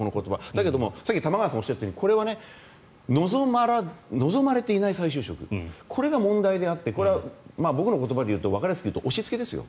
だけどもさっき玉川さんがおっしゃったようにこれは望まれていない再就職これが問題であって僕の言葉でわかりやすく言うと押しつけですよ。